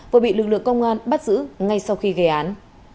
vừa bị lực lượng công an bắt giữ ngay sau khi gây án